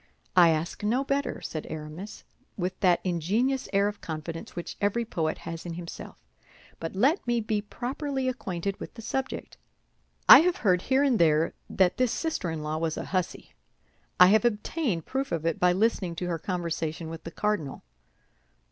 "I ask no better," said Aramis, with that ingenious air of confidence which every poet has in himself; "but let me be properly acquainted with the subject. I have heard here and there that this sister in law was a hussy. I have obtained proof of it by listening to her conversation with the cardinal."